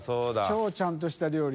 超ちゃんとした料理。